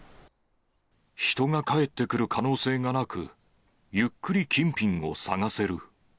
人が帰ってくる可能性がなく、ゆっくり金品を探せる。